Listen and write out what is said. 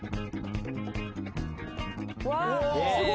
うわすご！